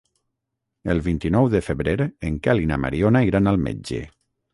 El vint-i-nou de febrer en Quel i na Mariona iran al metge.